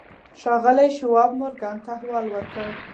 ښاغلي شواب مورګان ته احوال ورکړ.